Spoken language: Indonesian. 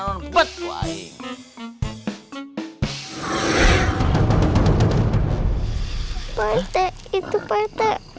pak rete itu pak rete